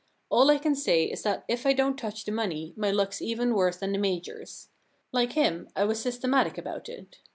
All I can say is that if I don't touch the money my luck's even worse than the Major's. Like him, I was systematic about it.